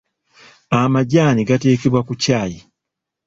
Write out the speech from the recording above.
Amajaani gateekebwa ku ccaayi.